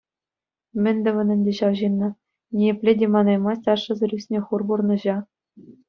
Мӗн тӑвӑн ӗнтӗ ҫав ҫынна: ниепле те манаймасть ашшӗсӗр ӱснӗ хур пурнӑҫа.